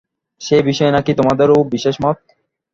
সে বিষয়ে নাকি তোমাদেরও বিশেষ মত।